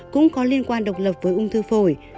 cũng có liên quan độc lập với ung thư phổi